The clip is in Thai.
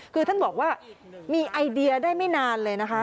คือท่านบอกว่ามีไอเดียได้ไม่นานเลยนะคะ